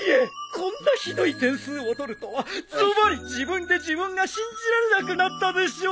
こんなひどい点数を取るとはズバリ自分で自分が信じられなくなったでしょう！